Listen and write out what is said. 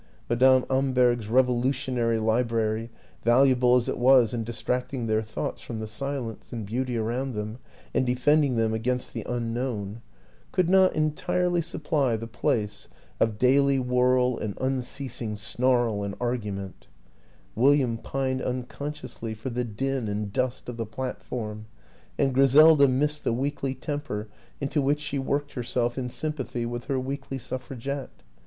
Madame Amberg's revolutionary li brary, valuable as it was in distracting their thoughts from the silence and beauty around them and defending them against the unknown, could not entirely supply the place of daily whirl and unceasing snarl and argument; William pined un consciously for the din and dust of the platform and Griselda missed the weekly temper into which she worked herself in sympathy with her weekly Suffragette.